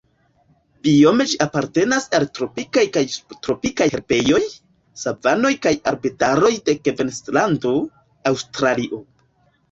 Biome ĝi apartenas al tropikaj kaj subtropikaj herbejoj, savanoj kaj arbedaroj de Kvinslando, Aŭstralio.